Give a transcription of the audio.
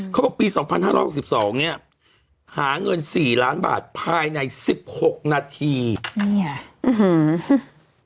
เขาบอกปีสองพันห้าร้อยหกสิบสองเนี้ยหาเงินสี่ล้านบาทภายในสิบหกนาทีเนี่ยอื้อหือ